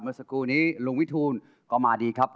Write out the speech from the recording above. เมื่อสักครู่นี้ลุงวิทูลก็มาดีครับ